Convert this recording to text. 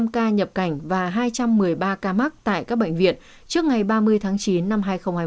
hai trăm linh ca nhập cảnh và hai trăm một mươi ba ca mắc tại các bệnh viện trước ngày ba mươi tháng chín năm hai nghìn hai mươi một